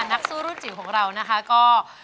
นักสู้รุ่นจิ๋วของเรานะคะก็